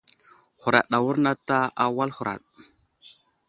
Huraɗ awurnat a wal huraɗ.